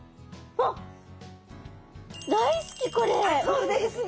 あそうですね。